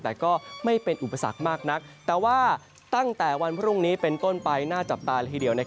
แต่ก็ไม่เป็นอุปสรรคมากนักแต่ว่าตั้งแต่วันพรุ่งนี้เป็นต้นไปน่าจับตาละทีเดียว